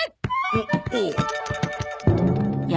おっおお。